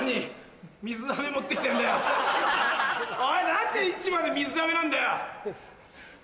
何で市場で水あめなんだよ。